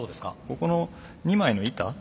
ここの２枚の板